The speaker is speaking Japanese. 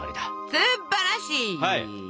すっばらしい！